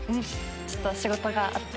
ちょっと仕事があって。